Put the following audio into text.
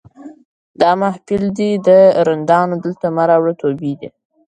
دا محفل دی د رندانو دلته مه راوړه توبې دي